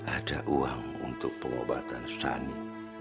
ada uang untuk pengobatan sani